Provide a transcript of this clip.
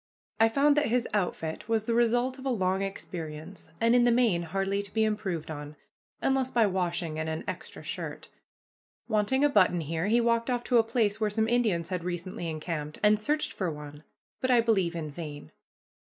I found that his outfit was the result of a long experience, and in the main hardly to be improved on, unless by washing and an extra shirt. Wanting a button here, he walked off to a place where some Indians had recently encamped, and searched for one, but I believe in vain.